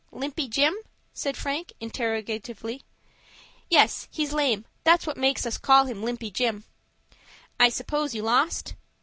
"Limpy Jim?" said Frank, interrogatively. "Yes, he's lame; that's what makes us call him Limpy Jim." "I suppose you lost?"